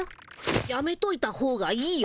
やめといたほうがいいよ。